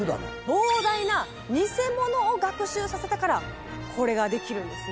膨大な偽物を学習させたからこれができるんですね。